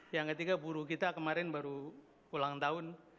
yang ketiga buruh kita kemarin baru pulang tahun